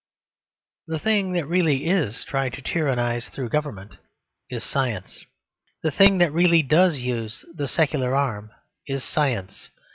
The thing that really is trying to tyrannise through government is Science. The thing that really does use the secular arm is Science.